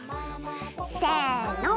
せの。